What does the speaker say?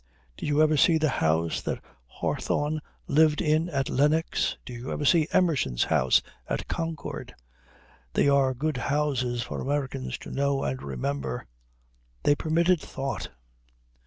Did you ever see the house that Hawthorne lived in at Lenox? Did you ever see Emerson's house at Concord? They are good houses for Americans to know and remember. They permitted thought.